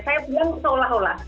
saya bilang seolah olah